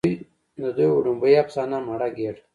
د دوي وړومبۍ افسانه " مړه ګيډه